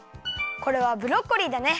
これはブロッコリーだね。